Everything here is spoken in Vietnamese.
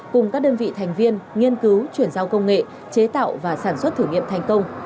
cùng các đơn vị thành viên nghiên cứu chuyển giao công nghệ chế tạo và sản xuất thử nghiệm thành công